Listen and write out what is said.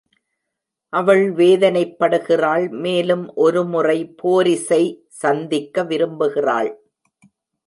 அவள் வேதனைப்படுகிறாள். மேலும் ஒரு முறை போரிஸை சந்திக்க விரும்புகிறாள்.